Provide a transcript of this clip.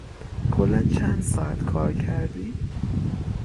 کلا چن ساعت کار کردی؟